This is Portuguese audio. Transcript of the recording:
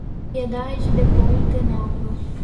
Piedade de Ponte Nova